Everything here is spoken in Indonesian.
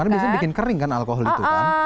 karena biasanya bikin kering kan alkohol itu kan